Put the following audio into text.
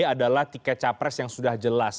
adalah tiket capres yang sudah jelas